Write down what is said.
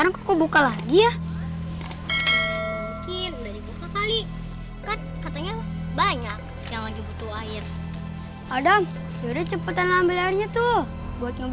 sampai jumpa di video selanjutnya